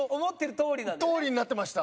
とおりになってました。